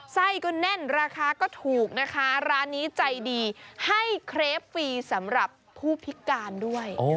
ไส้ก็แน่นราคาก็ถูกนะคะร้านนี้ใจดีให้เครฟฟรีสำหรับผู้พิการด้วย